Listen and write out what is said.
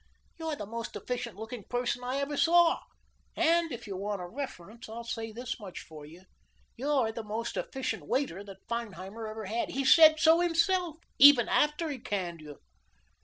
You're the most efficient looking person I ever saw, and if you want a reference I'll say this much for you, you're the most efficient waiter that Feinheimer ever had. He said so himself, even after he canned you."